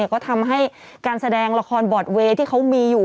ก็ทำให้การแสดงละครบอดเวย์ที่เขามีอยู่